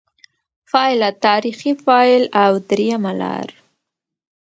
پایله: «تاریخي فاعل» او درېیمه لار